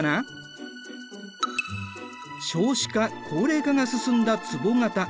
少子化高齢化が進んだつぼ型。